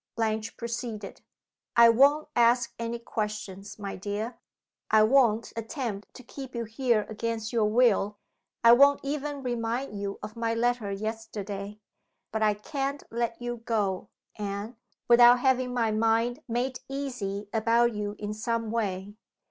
Blanche proceeded: "I won't ask any questions, my dear I won't attempt to keep you here against your will I won't even remind you of my letter yesterday. But I can't let you go, Anne, without having my mind made easy about you in some way.